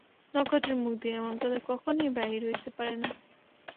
নক্ষত্রের মুখ দিয়া এমন কথা কখনোই বাহির হইতে পারে না।